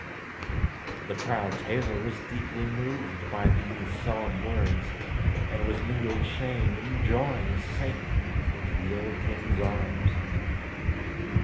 The proud tailor was deeply moved by these solemn words, and with mingled shame and joy sank into the old king's arms.